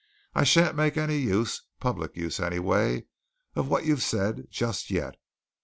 I shan't make any use public use, anyway of what you've said, just yet.